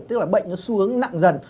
tức là bệnh nó xuống nặng dần